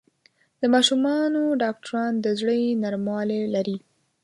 د ماشومانو ډاکټران د زړۀ نرموالی لري.